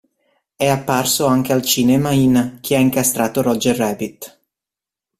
È apparso anche al cinema in "Chi ha incastrato Roger Rabbit".